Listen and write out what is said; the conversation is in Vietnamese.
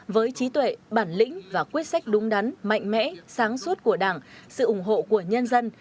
với trí tuệ bản lĩnh và quyết sách đúng đắn mạnh mẽ sáng suốt của đảng sự ủng hộ của nhân dân